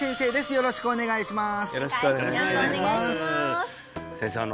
よろしくお願いします